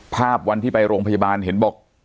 ภาพวันที่ไปโรงพยาบาลเห็นบอก